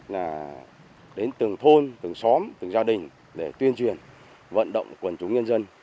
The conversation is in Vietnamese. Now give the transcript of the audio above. là đến từng thôn từng xóm từng gia đình để tuyên truyền vận động quần chúng nhân dân